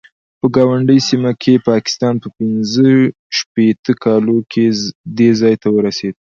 په ګاونډۍ سیمه کې پاکستان په پنځه شپېته کالو کې دې ځای ته ورسېد.